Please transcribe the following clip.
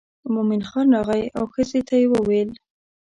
مومن خان راغی او ښځې ته یې وویل.